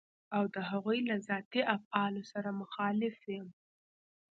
او د هغوی له ذاتي افعالو سره مخالف يم.